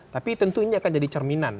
tapi tentunya akan jadi cerminan